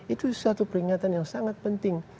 itu satu peringatan yang sangat penting